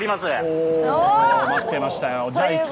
おお、待ってましたよ。